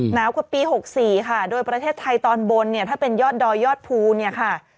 หนาวกว่าปี๖๔ค่ะโดยประเทศไทยตอนบนเนี่ยถ้าเป็นยอดดอยยอดภูเนี่ยค่ะ